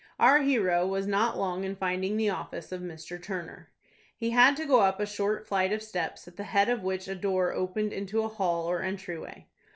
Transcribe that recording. Our hero was not long in finding the office of Mr. Turner. He had to go up a short flight of steps, at the head of which a door opened into a hall or entry way.